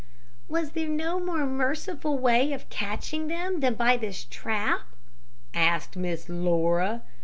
"Was there no more merciful way of catching them than by this trap?" asked Miss Laura.